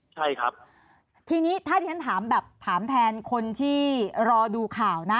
ใช่ครับทีนี้ถ้าที่ฉันถามแบบถามแทนคนที่รอดูข่าวนะ